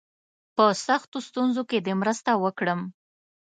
په سختو ستونزو کې دي مرسته وکړم.